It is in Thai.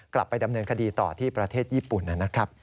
กลับไปดำเนินคดีต่อที่ประเทศญี่ปุ่นนะครับ